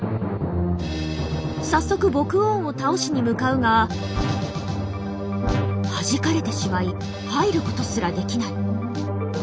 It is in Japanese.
早速ボクオーンを倒しに向かうがはじかれてしまい入ることすらできない。